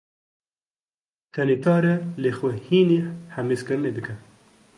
Tenêtî sar e, lê xwe hînî himêzkirinê dike.